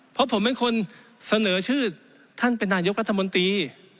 เพราะผมเป็นคนเสนอชื่อท่านเป็นนายกรัฐมนตรี